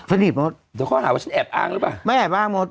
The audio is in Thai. สนิทมดเดี๋ยวข้อหาว่าฉันแอบอ้างหรือเปล่าไม่แอบอ้างมด